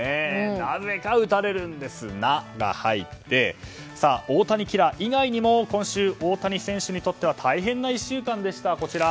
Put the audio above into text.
なぜか打たれるの「ナ」が入り大谷キラー以外にも今週、大谷選手にとっては大変な１週間でした。